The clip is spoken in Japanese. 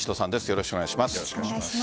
よろしくお願いします。